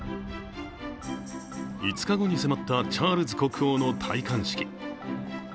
５日後に迫ったチャールズ国王の戴冠式。